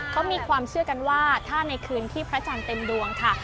เขามีความเชื่อกันว่าถ้าในคืนที่พระจันทร์เต็มดวงค่ะ